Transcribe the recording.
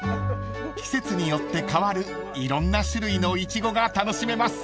［季節によって変わるいろんな種類のイチゴが楽しめます］